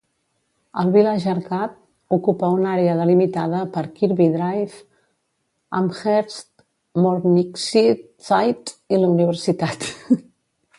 El Village Arcade ocupa una àrea delimitada per Kirby Drive, Amherst, Morningside i la Universitat.